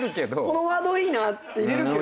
このワードいいなって入れるけど。